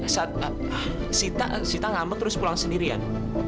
sita ngambek terus pulang sendirian